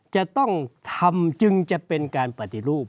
จะต้องทำจึงจะเป็นการปฏิรูป